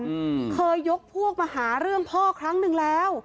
เหมือนกันก่อนเคยยกพวกมาหาเรื่องพ่อครั้งนึงแล้ว